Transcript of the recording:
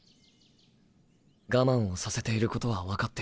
我慢をさせていることは分かっている。